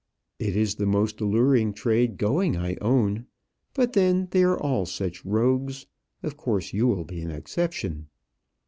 "It is the most alluring trade going, I own; but then they are all such rogues. Of course you will be an exception."